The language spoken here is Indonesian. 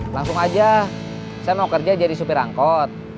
langsung aja saya mau kerja jadi supir angkot